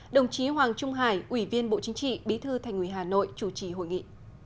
đồng chí hoàng trung hải ủy viên bộ chính trị bí thư thành ủy hà nội chủ trì hội nghị